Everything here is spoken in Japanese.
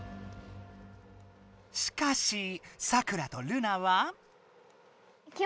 しかしサクラとルナは？